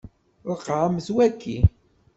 Ṛeqqɛemt waki.